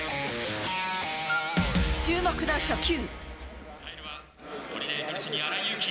注目の初球。